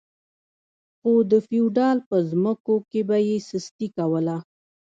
خو د فیوډال په ځمکو کې به یې سستي کوله.